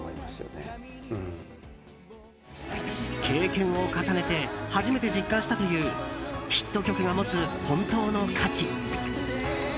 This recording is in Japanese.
経験を重ねて初めて実感したというヒット曲が持つ本当の価値。